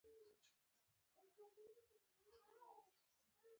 د بېلګې په توګه، د ټایپي نسخې په مخ کې.